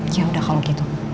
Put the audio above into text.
yaudah kalau gitu